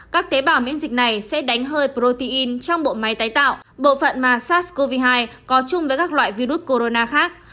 các tế bào miễn dịch này sẽ đánh hơi protein trong bộ máy tái tạo bộ phận mà sars cov hai có chung với các loại virus corona khác